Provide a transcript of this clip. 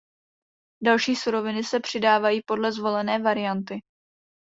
Další suroviny se přidávají podle zvolené varianty.